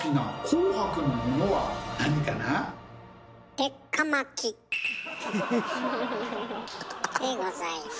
でございます。